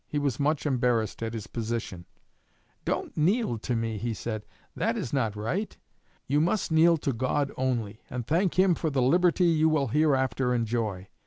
He was much embarrassed at his position. 'Don't kneel to me,' he said, 'that is not right. You must kneel to God only, and thank Him for the liberty you will hereafter enjoy.